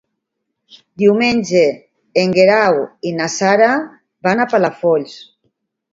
Diumenge en Guerau i na Sara van a Palafolls.